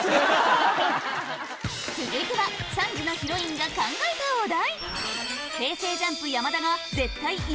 続いては３時のヒロインが考えたお題